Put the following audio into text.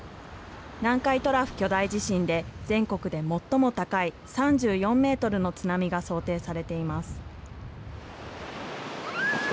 南海トラフ巨大地震で、全国で最も高い３４メートルの津波が想定されています。